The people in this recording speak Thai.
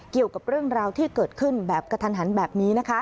เกี่ยวกับเรื่องราวที่เกิดขึ้นแบบกระทันหันแบบนี้นะคะ